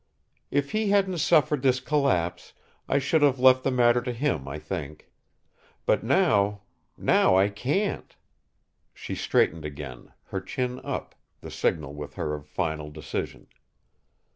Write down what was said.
"If he hadn't suffered this collapse, I should have left the matter to him, I think. But now now I can't!" She straightened again, her chin up, the signal with her of final decision.